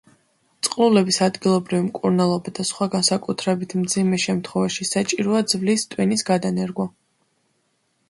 წყლულების ადგილობრივი მკურნალობა და სხვა განსაკუთრებით მძიმე შემთხვევაში საჭიროა ძვლის ტვინის გადანერგვა.